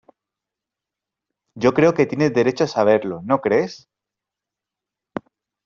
yo creo que tiene derecho a saberlo. ¿ no crees?